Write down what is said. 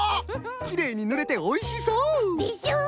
きれいにぬれておいしそう！でしょ？